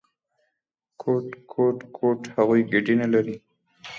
_کوټ، کوټ، کوټ… هغوی ګېډې نه لري!